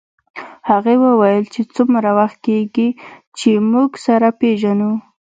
هغې وویل چې څومره وخت کېږي چې موږ سره پېژنو